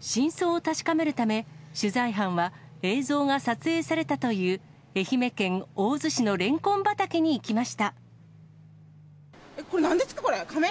真相を確かめるため、取材班は映像が撮影されたという愛媛県大洲え、これ、なんですか、カメ？